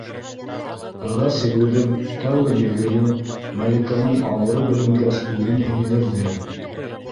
Ыҙа сигеүҙең тәүге миҙгеле Мәликәнең ауыры беленгәс үҙен һиҙҙерҙе.